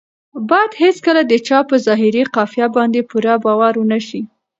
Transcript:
باید هېڅکله د چا په ظاهري قیافه باندې پوره باور ونه شي.